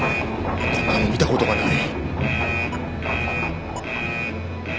こんなの見たことがない！